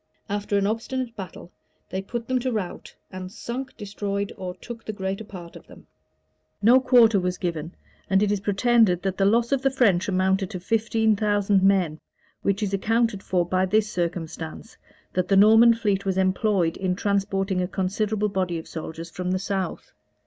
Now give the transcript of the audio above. After an obstinate battle, they put them to rout, and sunk, destroyed, or took the greater part of them.[] No quarter was given; and it is pretended that the loss of the French amounted to fifteen thousand men; which is accounted for by this circumstance, that the Norman fleet was employed in transporting a considerable body of soldiers from the south.